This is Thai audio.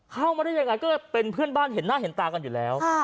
เข้ามาได้ยังไงก็เลยเป็นเพื่อนบ้านเห็นหน้าเห็นตากันอยู่แล้ว